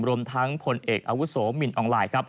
รวมทั้งผลเอกอาวุศมิลออนไลน์